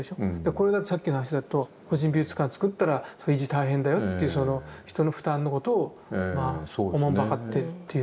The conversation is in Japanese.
これがさっきの話だと「個人美術館造ったら維持大変だよ」という人の負担のことをおもんばかってっていう。